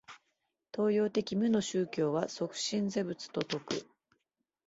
東洋的無の宗教は即心是仏と説く。